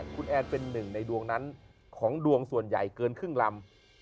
คุณแอนเป็นหนึ่งในดวงนั้นของดวงส่วนใหญ่เกินครึ่งลำ